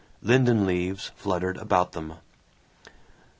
Linden leaves fluttered about them.